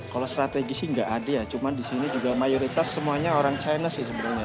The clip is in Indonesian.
kalau strategis sih gak ada ya cuman disini juga mayoritas semuanya orang china sih sebenarnya